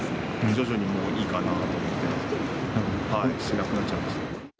徐々にもういいかなと思って、しなくなっちゃいました。